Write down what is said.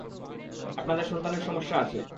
আপনাদের সন্তানের সমস্যা আছে।